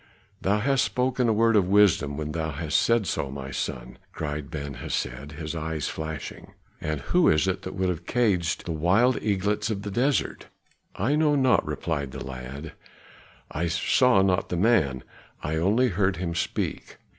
"Thou hast spoken a word of wisdom when thou hast so said, my son," cried Ben Hesed, his eyes flashing. "And who is it that would have caged the wild eaglets of the desert?" "I know not," replied the lad. "I saw not the man, I only heard him speak.